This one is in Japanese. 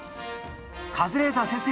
カズレーザー先生